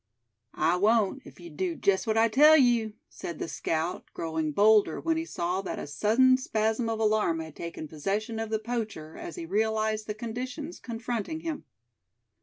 "I won't, if you do just what I tell you!" said the scout, growing bolder when he saw that a sudden spasm of alarm had taken possession of the poacher, as he realized the conditions confronting him.